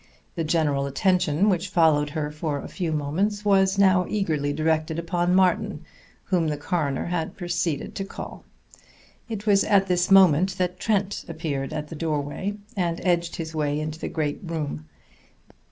The general attention, which followed her for a few moments, was now eagerly directed upon Martin, whom the coroner had proceeded to call. It was at this moment that Trent appeared at the doorway, and edged his way into the great room.